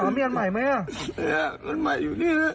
ตามมีอันใหม่มั๊ยอ่ะ